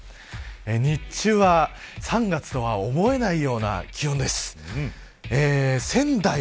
日中は３月とは思えないような気温です。